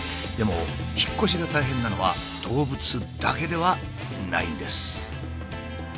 でも引っ越しが大変なのは動物だけではないんです。